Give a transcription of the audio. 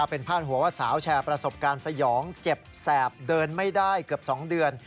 เป็นพาดหัวว่าสาวแชร์ประสบการณ์สยองเจ็บแสบเดินไม่ได้เกือบ๒เดือน